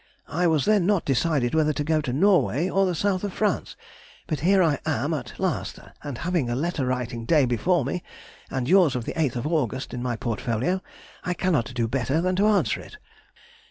I was then not decided whether to go to Norway or the south of France, but here I am at last, and having a letter writing day before me and yours of the 8th August in my portfolio, I cannot do better than to answer it.